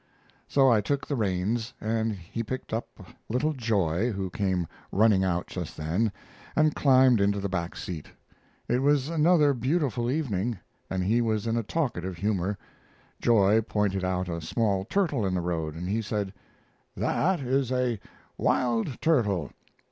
So I took the reins, and he picked up little Joy, who came running out just then, and climbed into the back seat. It was another beautiful evening, and he was in a talkative humor. Joy pointed out a small turtle in the road, and he said: "That is a wild turtle.